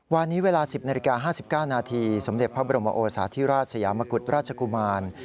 วันนี้เวลา๑๐นาฬิกา๕๙นาทีสมเด็จพระบรมโอสาธิราชสยามกุฎราชกุมาร